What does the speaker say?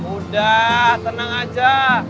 udah tenang aja